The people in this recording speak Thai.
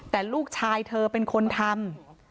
แต่ลูกชายเธอเป็นคนทำ